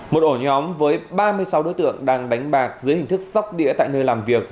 một ổ nhóm với ba mươi sáu đối tượng đang đánh bạc dưới hình thức sóc đĩa tại nơi làm việc